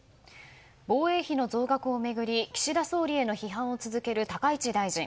防衛費の増額を巡り岸田総理への批判を続ける高市大臣。